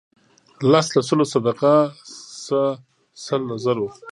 لس له سلو صدقه شه سل له زرو.